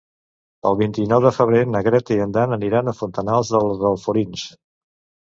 El vint-i-nou de febrer na Greta i en Dan aniran a Fontanars dels Alforins.